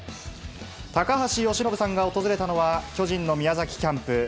高橋由伸さんが訪れたのは巨人の宮崎キャンプ。